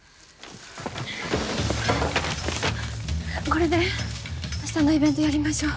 これで明日のイベントをやりましょう。